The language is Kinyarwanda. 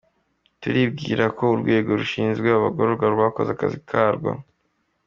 Turibwira ko urwego rushinzwe abagororwa rwakoze akazi karwo.